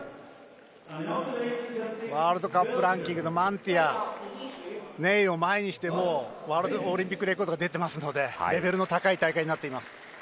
ワールドカップのランキング上位のマンティア、ネイを前にしてもうオリンピックレコードが出ていますのでレベルの高い大会になっています。